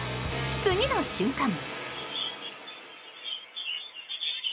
次の瞬間。